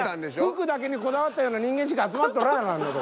服だけにこだわったような人間しか集まっとらんやろあんなとこ。